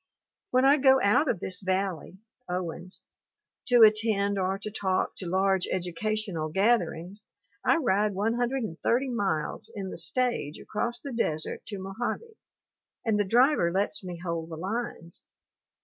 When I go out of this valley (Owens) to attend or to talk to large educational gatherings I ride 130 miles in the stage across the desert to Mojave, and the driver lets me hold the lines.